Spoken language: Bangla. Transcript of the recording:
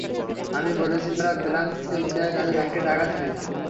আমি বলেছি, যারা ব্লাংক চেক দেয়, তাদের ব্যাংকে টাকা থাকে না।